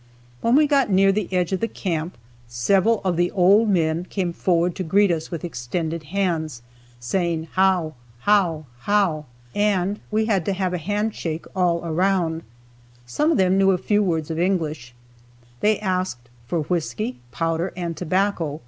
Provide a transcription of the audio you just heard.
When we got near the edge of the camp several of the old men came forward to greet us with extended hands, saying "how! how! how!" and we had to have a handshake all around. Some of them knew a few words of English. They asked for whisky, powder and tobacco.